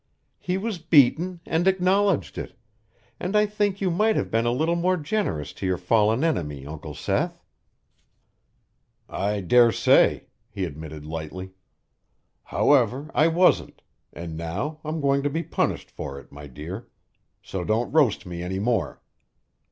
He was beaten and acknowledged it, and I think you might have been a little more generous to your fallen enemy, Uncle Seth." "I dare say," he admitted lightly. "However, I wasn't, and now I'm going to be punished for it, my dear: so don't roast me any more.